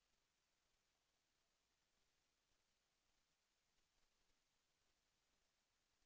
แสวได้ไงของเราก็เชียนนักอยู่ค่ะเป็นผู้ร่วมงานที่ดีมาก